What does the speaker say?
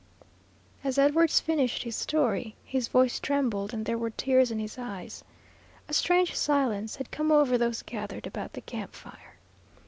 As Edwards finished his story, his voice trembled and there were tears in his eyes. A strange silence had come over those gathered about the camp fire.